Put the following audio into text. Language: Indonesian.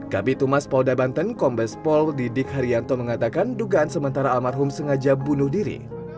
kb tumas polda banten kombes pol didik haryanto mengatakan dugaan sementara almarhum sengaja bunuh diri